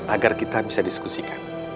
agar kita bisa diskusikan